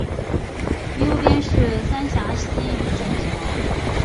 右边是三峡溪与拱桥